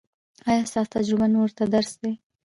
ایا ستاسو تجربه نورو ته درس دی؟